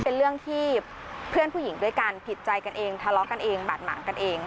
เป็นเรื่องที่เพื่อนผู้หญิงด้วยกันผิดใจกันเองทะเลาะกันเองบาดหมางกันเอง